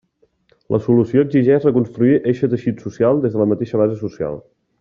La solució exigeix reconstruir eixe teixit social, des de la mateixa base social.